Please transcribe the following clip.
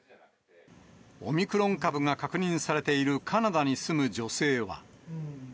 オミクロン株が確認されているカナダに住む女性は。